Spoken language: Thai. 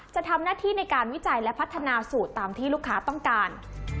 จะทำหน้าที่ในการวิจัยและพัฒนาสูตรตามที่ลูกค้าต้องการ